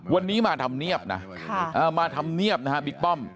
วันนี้มาทำเนียบนะมาทำเนียบนะฮะบิ๊กป้อม